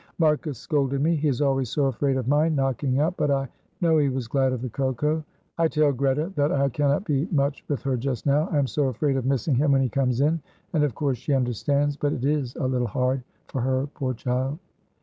Marcus scolded me; he is always so afraid of my knocking up, but I know he was glad of the cocoa. I tell Greta that I cannot be much with her just now. I am so afraid of missing him when he comes in, and of course she understands, but it is a little hard for her, poor child."